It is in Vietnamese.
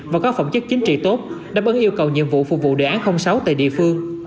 và có phẩm chất chính trị tốt đáp ứng yêu cầu nhiệm vụ phục vụ đề án sáu tại địa phương